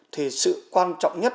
thì sự quan trọng nhất